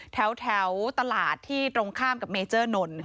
แถวตลาดที่ตรงข้ามกับเมเจอร์นนท์